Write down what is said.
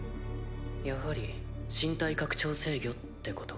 やはり身体拡張制御ってこと？